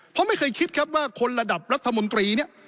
เพราะไม่เคยคิดครับว่าคนระดับรัฐมนตรีเนี่ย